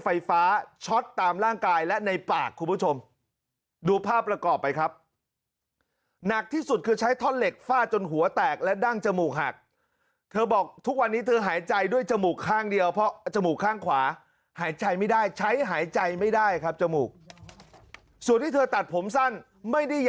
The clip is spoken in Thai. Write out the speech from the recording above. ไฟฟ้าช็อตตามร่างกายและในปากคุณผู้ชม